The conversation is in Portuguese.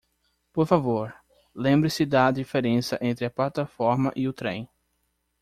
Por favor, lembre-se da diferença entre a plataforma e o trem.